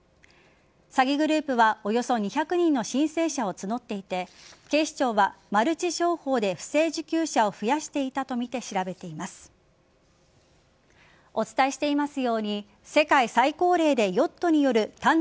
詐欺グループはおよそ２００人の申請者を募っていて警視庁はマルチ商法で不正受給者を増やしていたとみて調べています。